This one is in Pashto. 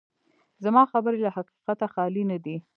زما خبرې له حقیقته خالي نه دي.